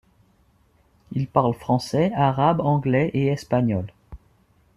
Il parle français, arabe, anglais et espagnol.